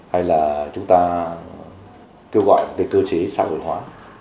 hay là chúng ta kêu gọi cái cơ chế xã hội hóa